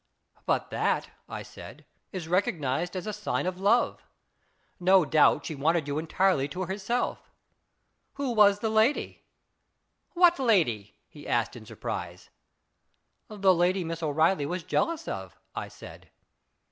" But that," I said, " is recognized as a sign of love. No doubt, she wanted you entirely to herself. Who was the lady ?"" What lady ?" he asked, in surprise. " The lady Miss O'Reilly was jealous of," I said.